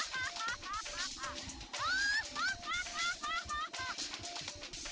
kalau nggak kamu akan ditangkap dengan sihir itu